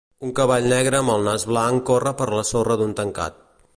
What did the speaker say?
Un cavall negre amb el nas blanc corre per la sorra d'un tancat.